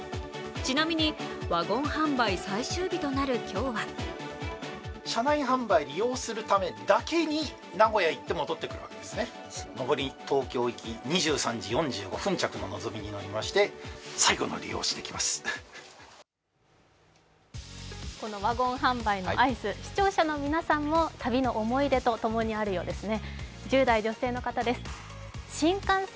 ちなみに、ワゴン販売最終日となる今日はこのワゴン販売のアイス、視聴者の皆さんも旅の思い出と共にあるようですね。